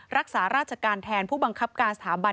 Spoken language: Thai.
รักษาราชการแทนผู้บังคับการสถาบัน